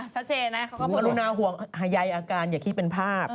ซับเจน่ะเขาก็พูดว่าอรุณาห่วงหยายอาการอย่าคิดเป็นภาพนะฮะ